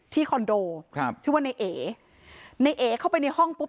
คอนโดครับชื่อว่าในเอในเอเข้าไปในห้องปุ๊บ